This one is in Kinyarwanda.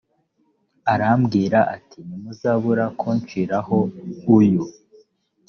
arababwira ati ntimuzabura kunciraho uyu